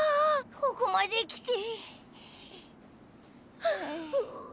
ここまで来て。